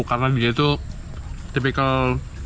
karena dia itu tipikal